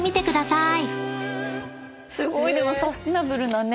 すごいでもサスティナブルなね